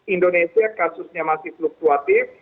indonesia kasusnya masih fluktuatif